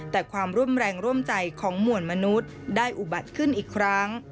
แต่ความร่วมแรงร่วมใจของหมวลมนุษย์ได้อุบัติขึ้นอีกครั้ง